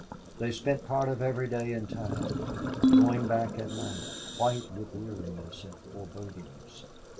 They spent part of every day in town, going back at night, white with weariness and forebodings.